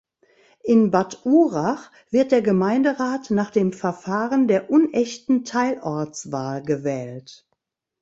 In Bad Urach wird der Gemeinderat nach dem Verfahren der unechten Teilortswahl gewählt.